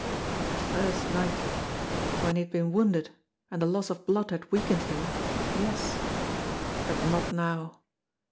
The first night when he had been wounded and the loss of blood had weak ened him yes. But not now!